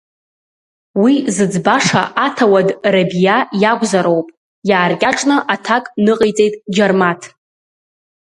Уи зыӡбаша аҭауад Рабиа иакәзароуп, иааркьаҿны аҭак ныҟаиҵеит Џьармаҭ.